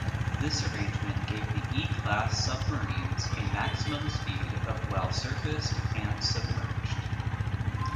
This arrangement gave the "E"-class submarines a maximum speed of while surfaced and submerged.